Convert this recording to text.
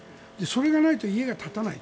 それがないと家が建たない。